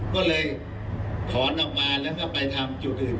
ก็เลยถอนออกมาแล้วก็ไปทำจุดอื่น